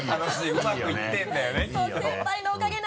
うまくいってるんだよね。